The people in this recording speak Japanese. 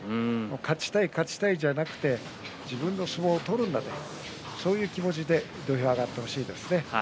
勝ちたい勝ちたいではなく自分の相撲を取るんだそういう気持ちで土俵に上がってほしいですね。